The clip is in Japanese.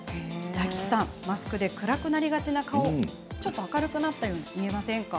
大吉さんマスクで暗くなりがちな顔も明るくなったように見えませんか。